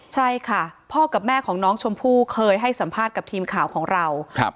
ใช่ค่ะพ่อกับแม่ของน้องชมพู่เคยให้สัมภาษณ์กับทีมข่าวของเรา